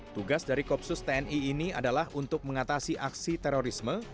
tugas dari kopsus tni ini adalah untuk mengatasi aksi terorisme